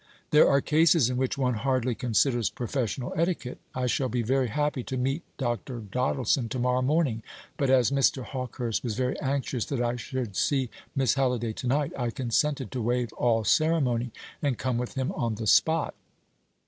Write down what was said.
"There are cases in which one hardly considers professional etiquette. I shall be very happy to meet Dr. Doddleson to morrow morning. But as Mr. Hawkehurst was very anxious that I should see Miss Halliday to night, I consented to waive all ceremony, and come with him on the spot."